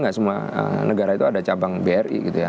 gak semua negara itu ada cabang bri gitu ya